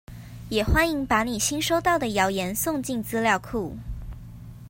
也歡迎把你新收到的謠言送進資料庫